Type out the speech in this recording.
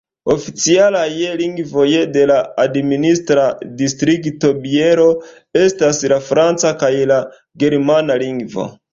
Oficialaj lingvoj de la administra distrikto Bielo estas la franca kaj la germana lingvo.